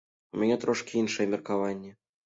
У мяне трошкі іншае меркаванне.